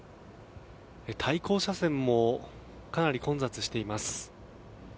対向車線もかなり混雑しています。